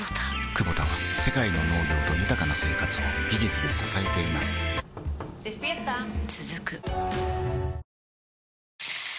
クボタは世界の農業と豊かな生活を技術で支えています起きて。